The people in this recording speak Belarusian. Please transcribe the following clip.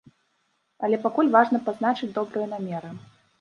Але пакуль важна пазначыць добрыя намеры.